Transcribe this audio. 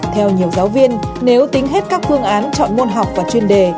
theo nhiều giáo viên nếu tính hết các phương án chọn môn học và chuyên đề